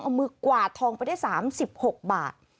เอามือกวาดทองไปได้๓๖บาท